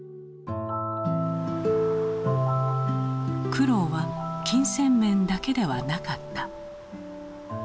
苦労は金銭面だけではなかった。